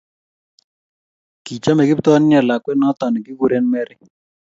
Kichome Kiptoo nea lakwet noto ne kikure Mary